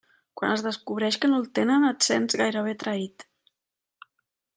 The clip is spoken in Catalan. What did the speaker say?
Quan es descobreix que no el tenen, et sents gairebé traït.